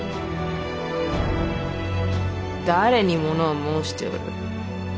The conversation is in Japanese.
誰に物を申しておる。